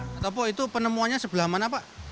sutopo itu penemuannya sebelah mana pak